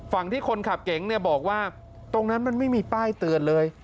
ฝั่งที่คนขับเก๋งเนี่ยบอกว่าตรงนั้นมันไม่มีป้ายเตือนเลย